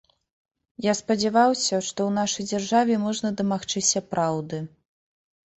Я спадзяваўся, што ў нашай дзяржаве можна дамагчыся праўды.